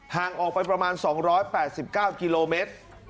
ห่างออกไปประมาณ๒๘๙กิโลเมตร